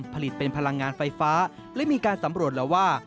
ผลิตเป็นพลังงานไฟฟ้าและมีการสำรวจแล้วว่า